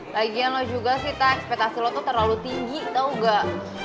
lagian lo juga sih ta ekspetasi lo tuh terlalu tinggi tau gak